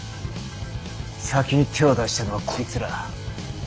先に手を出したのはこいつら。